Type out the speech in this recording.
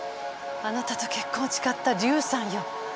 あなたと結婚を誓ったリュウサンよ。